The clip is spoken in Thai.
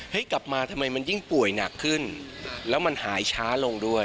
กลับมาทำไมมันยิ่งป่วยหนักขึ้นแล้วมันหายช้าลงด้วย